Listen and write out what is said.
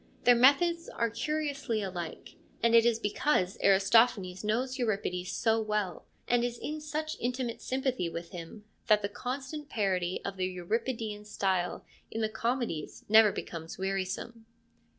Their methods are curiously alike, and it is because Aristophanes knows Euripides so well, and is in such intimate sympathy with him, that the constant parody of the Euripidean style in the comedies never becomes wearisome.